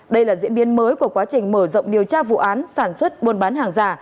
đây là diễn biến mới của quá trình mở rộng điều tra vụ án sản xuất buôn bán hàng giả